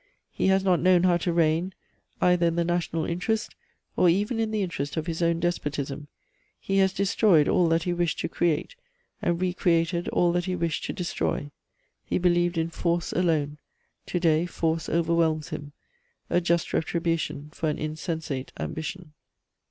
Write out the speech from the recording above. He has not known how to reign either in the national interest or even in the interest of his own despotism. He has destroyed all that he wished to create, and re created all that he wished to destroy. He believed in force alone; to day force overwhelms him: a just retribution for an insensate ambition."